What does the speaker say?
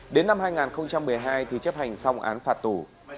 đến năm hai nghìn một mươi hai thì chấp hành xong án phạt tù